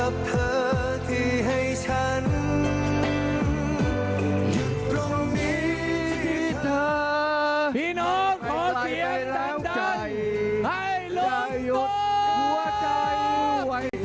พี่น้องขอเสียงสันตัญให้ลงตัว